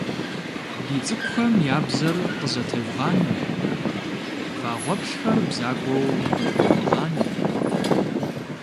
Ди цӀыкӀухэм я бзэр къызэтевгъанэ, вагъуэплъхэр бзагуэу къытхуэвмыгъанэ.